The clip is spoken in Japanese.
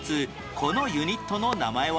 このユニットの名前は？